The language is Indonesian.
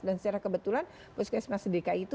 dan secara kebetulan puskesmas dki itu